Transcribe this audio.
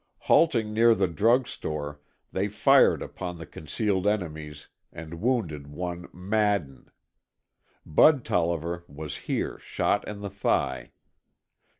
Halting near the drug store they fired upon the concealed enemies and wounded one Madden. Bud Tolliver was here shot in the thigh.